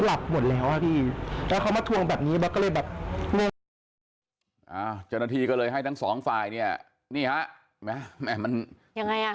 เจ้าหน้าที่ก็เลยให้ทั้งสองฝ่ายเนี่ยนี่ฮะแม่มันยังไงอ่ะ